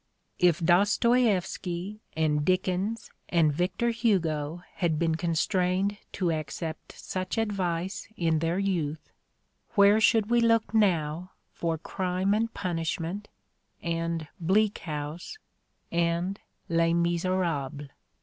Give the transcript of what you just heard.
If Dostoievsky and Dickens and Victor Hugo had been constrained to accept such advice in their youth, where should we look now for "Crime and Punishment" and "Bleak House" and "Les Miserables"?